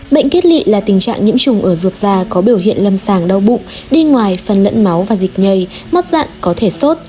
bệnh kiết lị là tình trạng nhiễm trùng ở ruột da có biểu hiện lâm sàng đau bụng đi ngoài phân lẫn máu và dịch nhây mất dặn có thể sốt